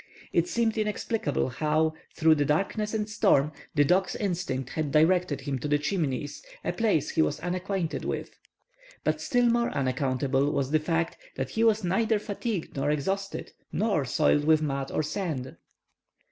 It seemed inexplicable how, through the darkness and storm, the dog's instinct had directed him to the Chimneys, a place he was unacquainted with. But still more unaccountable was the fact that he was neither fatigued nor exhausted nor soiled with mud or sand.